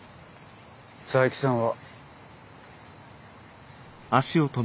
佐伯さんは。